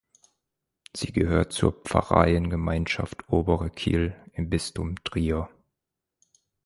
Sie gehört zur Pfarreiengemeinschaft Obere Kyll im Bistum Trier.